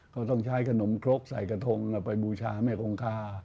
เขาต้องใช้ขนมครกใส่กระทงเอาไปบูชาแม่คงคา